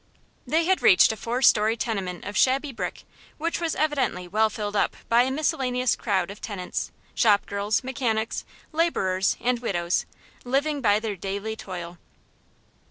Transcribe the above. They had reached a four story tenement of shabby brick, which was evidently well filled up by a miscellaneous crowd of tenants; shop girls, mechanics, laborers and widows, living by their daily toil.